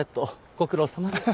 ご苦労さまです。